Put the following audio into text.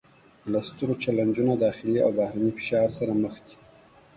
له سترو چلینجونو داخلي او بهرني فشار سره مخ دي